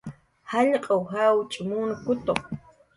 Jallq'uw jawch' munkutu